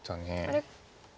あれ？